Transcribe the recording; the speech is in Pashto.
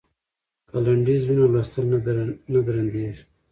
که لنډیز وي نو لوستل نه درندیږي.